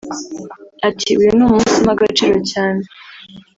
Ati “Uyu ni umunsi mpa agaciro cyane